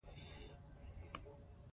افغانستان له تاریخ ډک دی.